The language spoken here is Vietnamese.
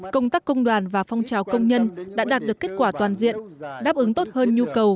công tác công đoàn và phong trào công nhân đã đạt được kết quả toàn diện đáp ứng tốt hơn nhu cầu